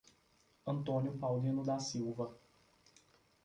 Antônio Paulino da Silva